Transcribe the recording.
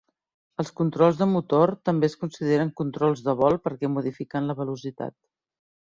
Els controls de motor també es consideren controls de vol perquè modifiquen la velocitat.